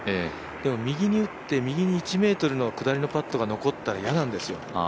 でも、右に打って右に１ｍの下りのパットが残ったら嫌なんですよ。